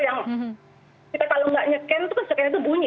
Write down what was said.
yang kita kalau nggak ngecan itu kan scan itu bunyi